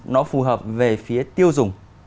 nó phù hợp về phía tiêu dùng